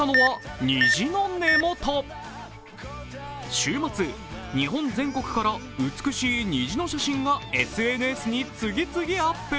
週末、日本全国から美しい虹の写真がＳＮＳに次々アップ。